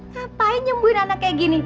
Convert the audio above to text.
ngapain nyembuin anak kayak gini